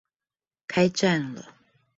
開站了